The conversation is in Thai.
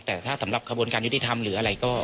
แต่ถ้าสำหรับขบวนการยุติธรรมหรืออะไรก็